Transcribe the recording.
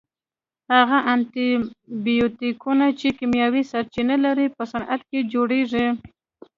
هغه انټي بیوټیکونه چې کیمیاوي سرچینه لري په صنعت کې جوړیږي.